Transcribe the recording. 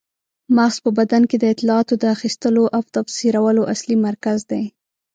مغز په بدن کې د اطلاعاتو د اخیستلو او تفسیرولو اصلي مرکز دی.